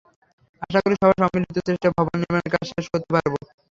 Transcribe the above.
আশা করি, সবার সম্মিলিত চেষ্টায় ভবন নির্মাণের কাজ শেষ করতে পারব।